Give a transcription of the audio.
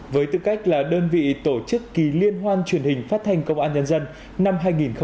với tư cách là đơn vị tổ chức kỳ liên hoan truyền hình phát thanh công an nhân dân năm hai nghìn hai mươi